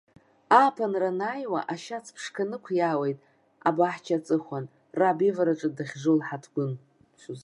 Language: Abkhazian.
Ааԥынра анааиуа ашьац ԥшқа нықәиаауеит, абаҳча аҵыхәан, раб ивараҿы дахьжу лҳаҭгәын.